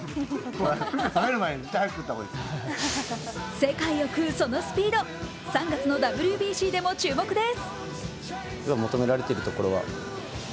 世界を食うそのスピード３月のＷＢＣでも注目です。